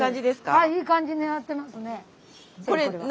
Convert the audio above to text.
はいいい感じになってますね。